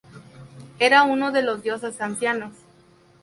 Era uno de los dioses ancianos.